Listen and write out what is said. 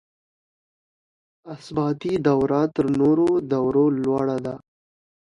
اثباتي دوره تر نورو دورو لوړه ده.